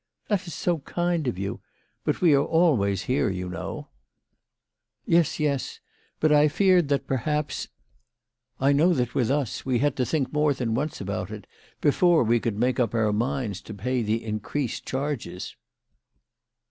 " That is so kind of you. But we always are here, you know." "Yes; yes. But I feared that perhaps . I know that with us we had to think more than once H 98 WHY FRATJ FEOHMANN RAISED HER PRICES. about it before we could make up our minds to pay the increased charges.